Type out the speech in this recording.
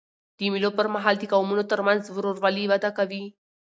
د مېلو پر مهال د قومونو ترمنځ ورورولي وده کوي.